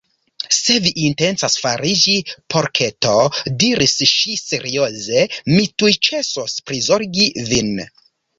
"Se vi intencas fariĝi porketo," diris ŝi serioze, "mi tuj ĉesos prizorgi vin!"